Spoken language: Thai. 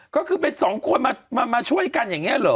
ก็คือเป็นสองคนมาช่วยกันอย่างนี้เหรอ